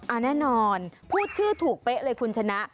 แน่นอนพูดชื่อถูกเป๊ะเลยคุณชนะ